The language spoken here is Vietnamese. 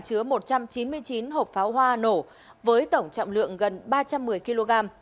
chứa một trăm chín mươi chín hộp pháo hoa nổ với tổng trọng lượng gần ba trăm một mươi kg